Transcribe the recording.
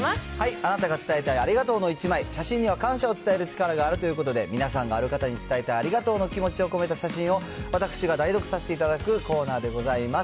あなたが伝えたいありがとうの１枚、写真には感謝を伝える力があるということで、皆さんがある方に伝えたいありがとうの気持ちを込めた写真を、私が代読させていただくコーナーでございます。